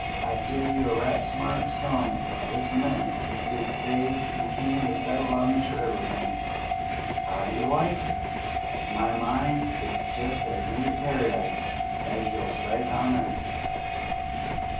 I'd give a right smart sum this minnit if you'd say you came to settle on this river bank. How do you like it? To my mind it's jest as near Paradise as you'll strike on earth.